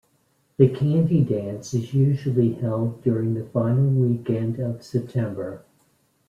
The Candy Dance is usually held during the final weekend of September.